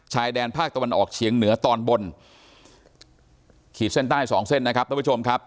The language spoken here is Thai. ชายแดนภาคตะวันออกเฉียงเหนือตอนบนขีดเส้นใต้สองเส้นนะครับท่านผู้ชมครับ